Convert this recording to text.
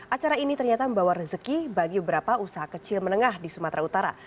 acara ini ternyata membawa rezeki bagi beberapa usaha kecil menengah di sumatera utara